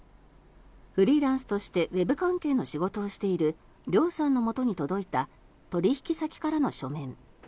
フリーランスとしてウェブ関係の仕事をしているＲＹＯＵさんのもとに届いた取引先からの書面。